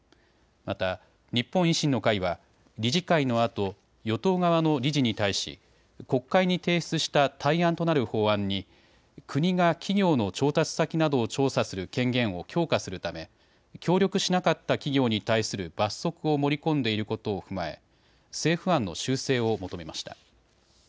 また日本維新の会は理事会のあと与党側の理事に対し国会に提出した対案となる法案に国が企業の調達先などを調査する権限を強化するため協力しなかった企業に対する罰則を盛り込んでいることを踏まえ政府案の修正を求めました。